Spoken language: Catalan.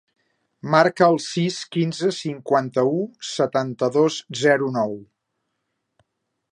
Marca el sis, quinze, cinquanta-u, setanta-dos, zero, nou.